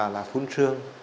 là khuôn trương